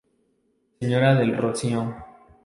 Sra.del Rocío.